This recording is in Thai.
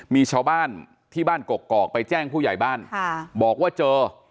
มีชาวบ้านที่บ้านกกอกไปแจ้งผู้ใหญ่บ้านบอกว่าเจอ